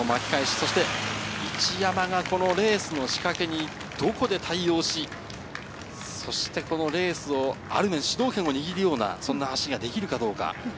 そして一山がレースの仕掛けにどこで対応し、そしてレースをある意味、主導権を握れるような走りができるかどうか。